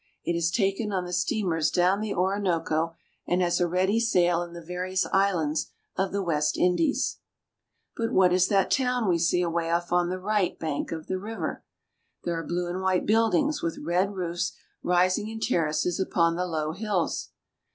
It is taken on the steamers down the Orinoco, and has a ready sale in the various islands of the West Indies. 330 VENEZUELA. But what is that town we see away off on the right bank of the river? There are blue and white buildings with red roofs rising in terraces upon the low hills.